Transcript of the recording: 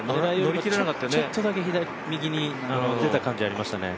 ちょっとだけ右に出た感じありましたね。